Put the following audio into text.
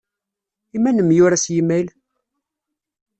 I ma nemyura s yimayl?